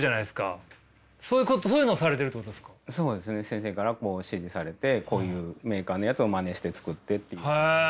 先生から指示されてこういうメーカーのやつをまねして作ってっていう感じです。